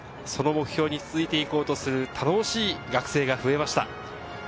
この目標に続いて行こうとする頼もしい学生が増えました。